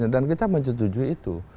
dan kita menyetujui itu